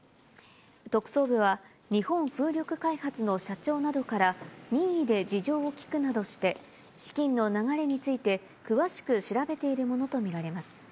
特捜部は、日本風力開発の社長などから、任意で事情を聴くなどして、資金の流れについて、詳しく調べているものと見られます。